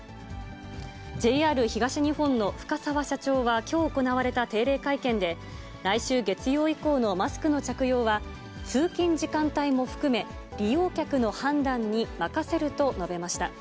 ＪＲ東日本の深澤社長はきょう行われた定例会見で、来週月曜以降のマスクの着用は、通勤時間帯も含め、利用客の判断に任せると述べました。